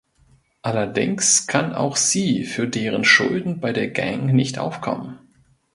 Allerdings kann auch sie für deren Schulden bei der Gang nicht aufkommen.